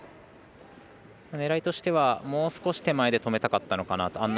狙いとしてはもう少し手前で止めたかったのかなと。